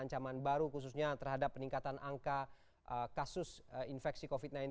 ancaman baru khususnya terhadap peningkatan angka kasus infeksi covid sembilan belas